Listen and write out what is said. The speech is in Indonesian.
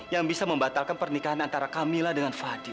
yang bisa membatalkan pernikahan antara kamila dengan fadil